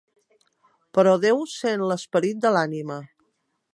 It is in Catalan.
Però Déu sent l'esperit de l'ànima.